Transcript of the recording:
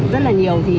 rất là nhiều